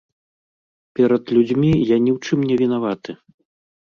Перад людзьмі я ні ў чым не вінаваты.